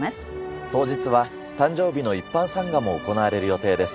当日は誕生日の一般参賀も行われる予定です。